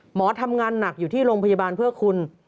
หมอทำงานหนักอยู่ที่โรงพยาบาลเพื่อคุณ